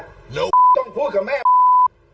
ปลุ๊บต้องพูดกับแม่ปลุ๊บ